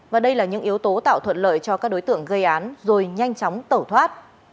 và đây là những yếu tố tạo thuận lợi cho các đối tượng gây án rồi nhanh chóng tẩu thoát